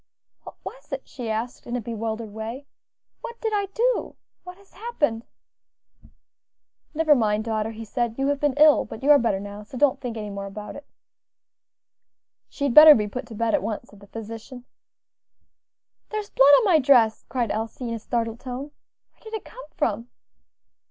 "What was it?" she asked in a bewildered way; "what did I do? what has happened?" "Never mind, daughter," he said, "you have been ill; but you are better now, so don't think any more about it." "She had better be put to bed at once," said the physician. "There is blood on my dress," cried Elsie, in a startled tone; "where did it come from?"